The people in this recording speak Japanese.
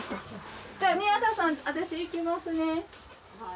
じゃあ宮田さん私行きますね。